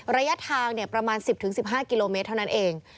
ระยะทางประมาณ๑๐๑๕กิโลเมตรเท่านั้นเอง